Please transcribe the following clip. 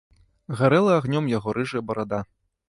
Гарэла агнём яго рыжая барада.